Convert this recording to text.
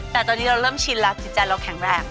แต่ตอนนี้เราเริ่มชินแล้วจิตใจเราแข็งแรง